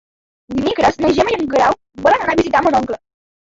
Dimecres na Gemma i en Guerau volen anar a visitar mon oncle.